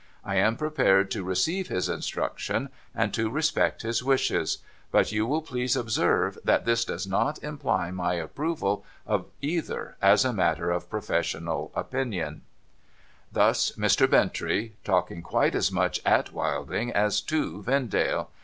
I am pre pared to receive his instructions, and to respect his wishes ; but you will please observe that this does not imply my approval of either as a matter of professional opinion.' 5o8 NO THOROUGHFARE Thus Mr. Bintrey ; talking quite as much at Wilding as to Vendale.